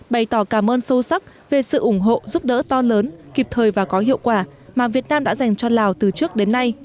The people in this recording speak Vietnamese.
bày tỏ cảm ơn sâu sắc về sự ủng hộ giúp đỡ to lớn kịp thời và có hiệu quả mà việt nam đã dành cho lào từ trước đến nay